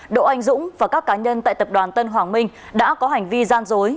đỗ anh dũng và các cá nhân tại tập đoàn tân hoàng minh đã có hành vi gian dối